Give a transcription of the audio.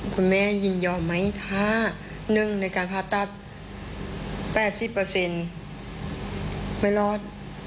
คุณแม่ยินยอมไหมถ้าเนื่องในการพัฒนา๘๐ไม่รอด